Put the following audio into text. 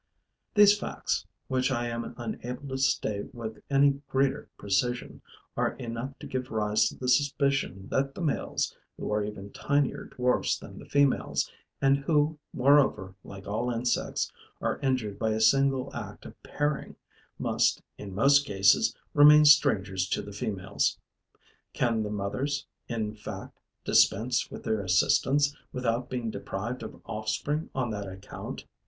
These facts, which I am unable to state with any greater precision, are enough to give rise to the suspicion that the males, who are even tinier dwarfs than the females and who, moreover, like all insects, are injured by a single act of pairing, must, in most cases, remain strangers to the females. Can the mothers, in fact, dispense with their assistance, without being deprived of offspring on that account?